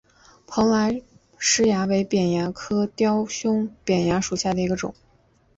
蓬莱虱蚜为扁蚜科雕胸扁蚜属下的一个种。